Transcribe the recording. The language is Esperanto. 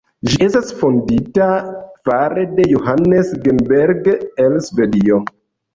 Ĝi estas fondita fare de Johannes Genberg el Svedio.